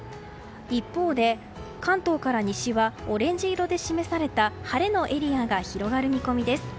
一方で、関東から西はオレンジ色で示された晴れのエリアが広がる見込みです。